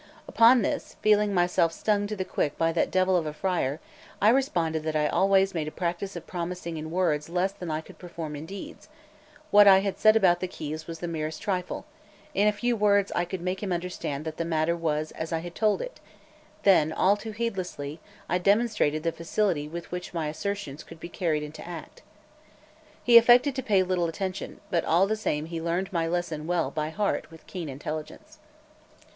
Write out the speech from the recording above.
Upon this, feeling myself stung to the quick by that devil of a friar, I responded that I always made a practice of promising in words less than I could perform in deeds; what I had said about the keys was the merest trifle; in a few words I could make him understand that the matter was as I had told it; then, all too heedlessly, I demonstrated the facility with which my assertions could be carried into act. He affected to pay little attention; but all the same he learned my lesson well by heart with keen intelligence.